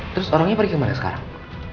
terus orangnya pergi kemana sekarang